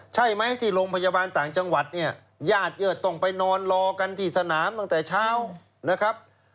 ใช่ไหมที่โรงพยาบาลต่างจังหวัดเนี่ยญาติเยอะต้องไปนอนรอกันที่สนามตั้งแต่เช้านะครับ